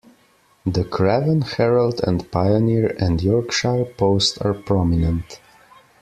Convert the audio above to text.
The "Craven Herald and Pioneer" and "Yorkshire Post" are prominent.